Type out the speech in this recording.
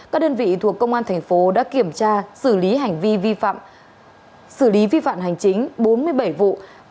các đơn vị thuộc công an tp đã kiểm tra xử lý hành vi vi phạm hành chính bốn mươi bảy vụ